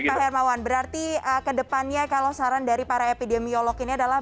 pak hermawan berarti kedepannya kalau saran dari para epidemiolog ini adalah